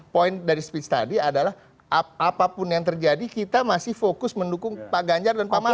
poin dari speech tadi adalah apapun yang terjadi kita masih fokus mendukung pak ganjar dan pak mahfu